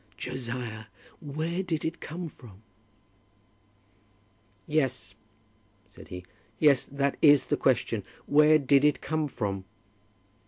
"Josiah, where did it come from?" "Yes," said he; "yes; that is the question. Where did it come from?"